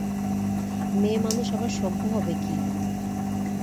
মেয়েমানুষ আবার সভ্য হবে কী!